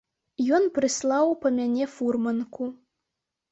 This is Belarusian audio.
Ён прыслаў па мяне фурманку.